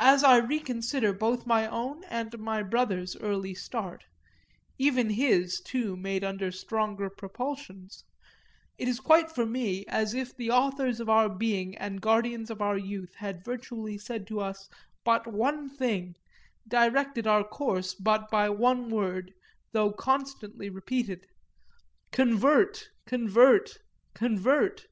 As I reconsider both my own and my brother's early start even his too, made under stronger propulsions it is quite for me as if the authors of our being and guardians of our youth had virtually said to us but one thing, directed our course but by one word, though constantly repeated: Convert, convert, convert!